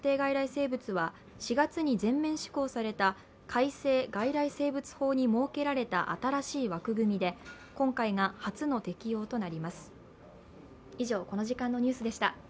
生物は４月に全面施行された改正外来生物法に設けられた新しい枠組みで今回が初の適用となります。